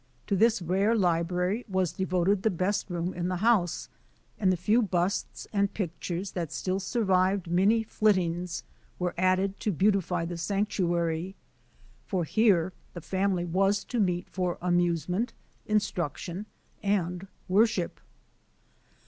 To this rare library was devoted the best room in the house, and the few busts and pictures that still survived many flittings were added to beautify the sanctuary, for here the family was to meet for amusement, instruction, and worship.